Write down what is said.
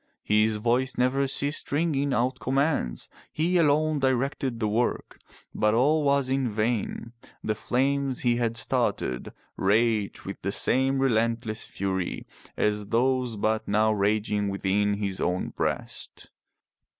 His voice never ceased ringing out commands. He alone directed the work. But all was in vain. The flames he had started raged with the same relentless fury as those but now raging within his own breast.